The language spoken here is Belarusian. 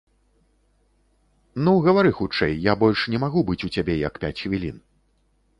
Ну гавары хутчэй, я больш не магу быць у цябе як пяць хвілін.